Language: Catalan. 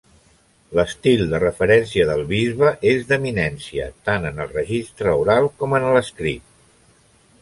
L'estil de referència del bisbe és d'eminència, tant en el registre oral com en l'escrit.